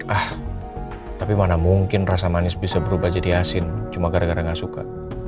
ah tapi mana mungkin rasa manis bisa berubah jadi asin cuma gara gara gak suka